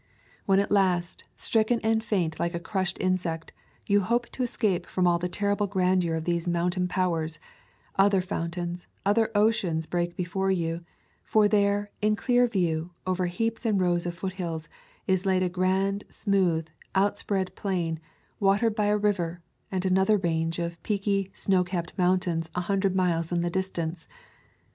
When at last, stricken and faint like a crushed insect, you hope to escape from all the terrible grandeur of these mountain powers, other foun tains, other oceans break forth before you; for there, in clear view, over heaps and rows of foothills, is laid a grand, smooth, outspread plain, watered by a river, and another range of peaky, snow capped mountains a hundred miles in the distance.